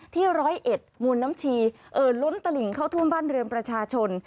ร้อยเอ็ดมูลน้ำชีเอ่อล้นตลิ่งเข้าท่วมบ้านเรือนประชาชน